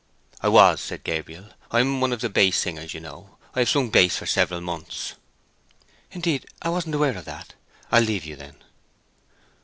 "I was," said Gabriel. "I am one of the bass singers, you know. I have sung bass for several months." "Indeed: I wasn't aware of that. I'll leave you, then."